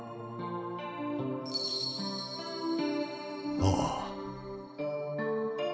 ああ。